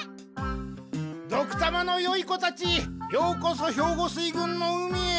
ドクたまのよい子たちようこそ兵庫水軍の海へ！